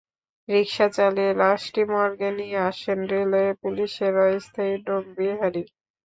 রিকশা চালিয়ে লাশটি মর্গে নিয়ে আসেন রেলওয়ে পুলিশের অস্থায়ী ডোম বিহারি।